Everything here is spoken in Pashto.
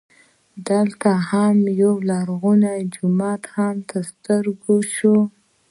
دلته مو هم یولرغونی جومات تر ستر ګو سو.